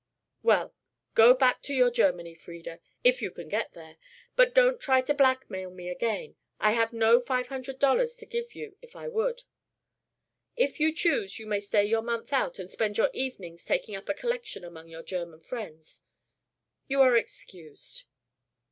"Well, go back to your Germany, Frieda, if you can get there, but don't try to blackmail me again. I have no five hundred dollars to give you if I would. If you choose, you may stay your month out, and spend your evenings taking up a collection among your German friends. You are excused."